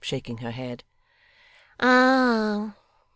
shaking her head. 'Ah!